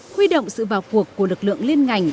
huy động sự vào cuộc của lực lượng liên ngành